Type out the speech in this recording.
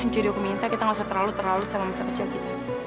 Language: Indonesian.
jadi aku minta kita nggak usah terlalu terlalu sama masa kecil kita